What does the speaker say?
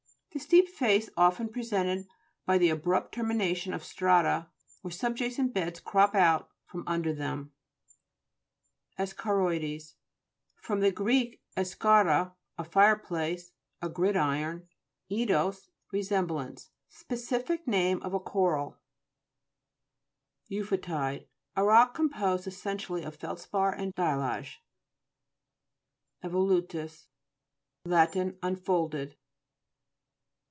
The steep face often pre sented by the abrupt termination of strata where subjacent beds " crop out" from under them. ESCHAROIDES fr. gr. eschoro, a fire place, a gridiron, eidos, resem blance. Specific name of a coral (p. 31). EUOM'PHALTJS (p. 39). EU'PHOTIDE A rock composed essen tially of feldspar and diallage. EVOLU'TTJS Lat. Unfolded.